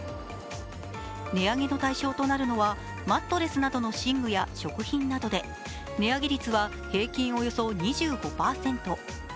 寝上げの対象となるのはマットレスなどの寝具や食品などで値上げ率は平均およそ２５％。